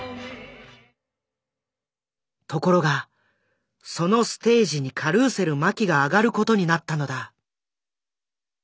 ところがそのステージにカルーセル麻紀が上がる事になったのだ。